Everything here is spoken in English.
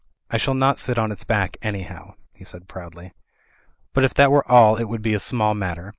'1 shall not sit on its back, anyhow," he said proudly, "but if that were all it would be a small matter.